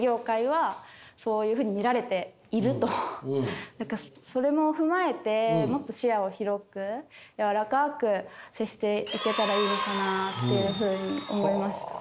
視野が何かそれも踏まえてもっと視野を広くやわらかく接していけたらいいのかなっていうふうに思いました。